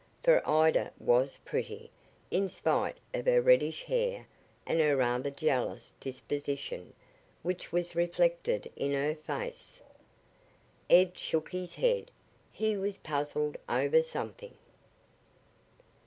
For Ida was pretty, in spite of her reddish hair and her rather jealous disposition, which was reflected in her face. Ed shook his head. He was puzzled over something.